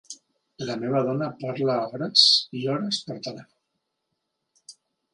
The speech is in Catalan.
La meva dona parla hores i hores per telèfon.